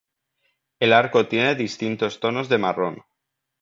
El arco tiene distintos tonos de marrón.